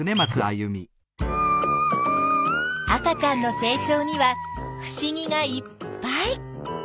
赤ちゃんの成長にはふしぎがいっぱい。